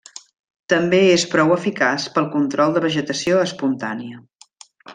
També és prou eficaç pel control de vegetació espontània.